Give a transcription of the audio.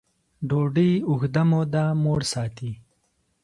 ډوډۍ اوږده موده موړ ساتي.